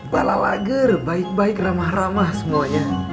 bala lager baik baik ramah ramah semuanya